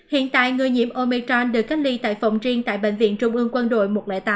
hiện tại người nhiễm omechain được cách ly tại phòng riêng tại bệnh viện trung ương quân đội một trăm linh tám